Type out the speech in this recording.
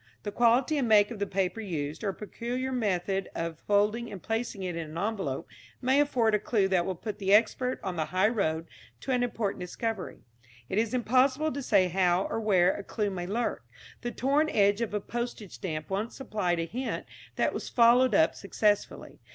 The quality and make of the paper used, or a peculiar method of folding and placing it in the envelope may afford a clue that will put the expert on the high road to an important discovery. It is impossible to say how or where a clue may lurk. The torn edge of a postage stamp once supplied a hint that was followed up successfully.